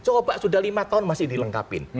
coba sudah lima tahun masih dilengkapin